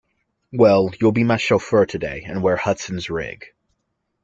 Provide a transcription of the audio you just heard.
Well, you’ll be my chauffeur today and wear Hudson’s rig.